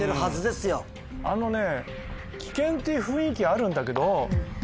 あのね。